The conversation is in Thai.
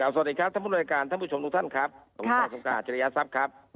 สวัสดีครับท่านผู้บริการท่านผู้ชมทุกท่านครับผมขอสงการอาจริยทรัพย์ครับ